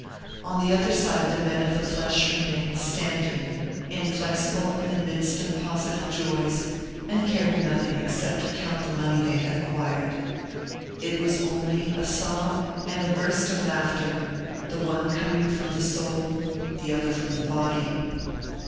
On the other side the men of the flesh remained standing, inflexible in the midst of positive joys, and cared for nothing except to count the money they had acquired. It was only a sob and a burst of laughter, the one coming from the soul, the other from the body.